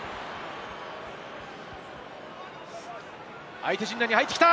相手陣内に入ってきた！